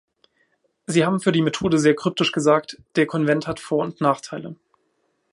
Sie haben für die Methode sehr kryptisch gesagt, der Konvent hat Vor- und Nachteile.